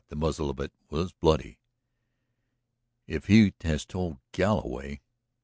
The muzzle of it was bloody." "If he has told Galloway. ..."